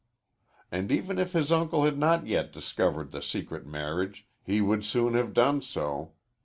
And even if his uncle had not yet discovered the secret marriage, he would soon have done so.